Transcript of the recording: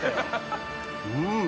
うん！